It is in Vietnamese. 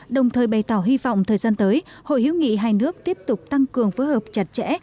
đồng thời bày tỏ hy vọng thời gian tới hội hữu nghị hai nước tiếp tục tăng cường phối hợp chặt chẽ